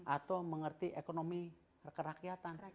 atau mengerti ekonomi kerakyatan